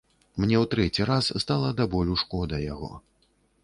Мне ў трэці раз стала да болю шкода яго.